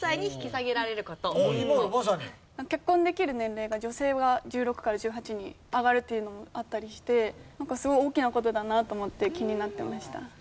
結婚できる年齢が女性は１６から１８に上がるっていうのもあったりしてすごい大きな事だなと思って気になってました。